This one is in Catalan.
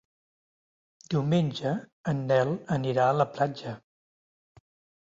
Diumenge en Nel anirà a la platja.